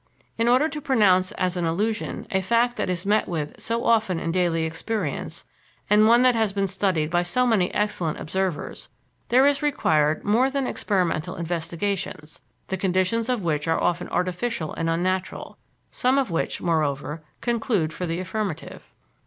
In order to pronounce as an illusion a fact that is met with so often in daily experience, and one that has been studied by so many excellent observers, there is required more than experimental investigations (the conditions of which are often artificial and unnatural), some of which, moreover, conclude for the affirmative.